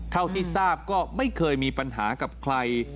เท่าที่ทราบก็ไม่เคยมีปัญหากับใคร